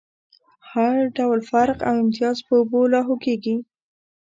هر ډول فرق او امتياز په اوبو لاهو کېږي.